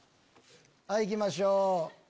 はいいきましょう。